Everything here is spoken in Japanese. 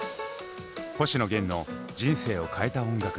星野源の人生を変えた音楽。